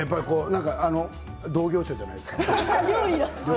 同業者じゃないですか。